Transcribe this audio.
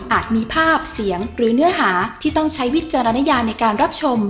มีภาพเสียงหรือเนื้อหาที่ต้องใช้วิจารณญาในการรับชม